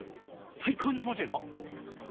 最高に気持ちええぞ。